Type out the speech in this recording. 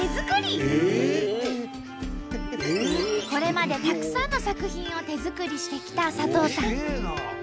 これまでたくさんの作品を手作りしてきた佐藤さん。